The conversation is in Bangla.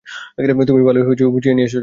তুমি ভালোই গুছিয়ে নিয়েছ নিজেকে।